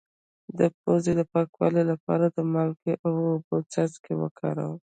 د پوزې د پاکوالي لپاره د مالګې او اوبو څاڅکي وکاروئ